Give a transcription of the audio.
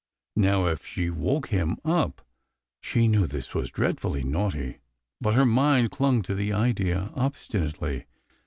Now if she woke him up . She knew this was dreadfully naughty ; but her mind clung to the idea obstinately.